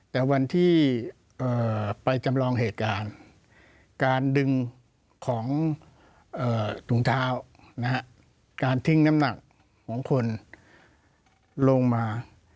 แต่วันที่ไปจำลองเหตุการณ์การดึงของถุงเท้าการทิ้งน้ำหนักของคนลงมา